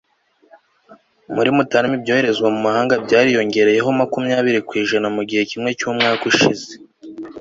muri mutarama ibyoherezwa mu mahanga byariyongereyeho makumyabiri ku ijana mu gihe kimwe cy'umwaka ushize